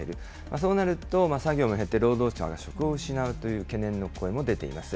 そうなると作業も減って、労働者が職を失うという懸念の声も出ています。